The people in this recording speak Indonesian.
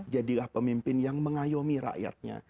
jadilah pemimpin yang mengayomi rakyatnya